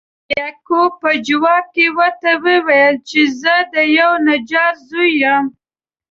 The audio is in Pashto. یعقوب په جواب کې ورته وویل چې زه د یوه نجار زوی یم.